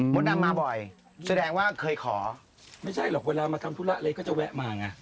ดำมาบ่อยแสดงว่าเคยขอไม่ใช่หรอกเวลามาทำธุระอะไรก็จะแวะมาไง